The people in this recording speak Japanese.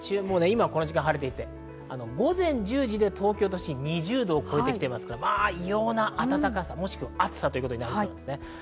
朝は雨だったんですが、日中のこの時間、晴れてきて午前１０時で東京都心２０度を超えてきていますから、異様な暖かさ、もしくは暑さということになりそうですね。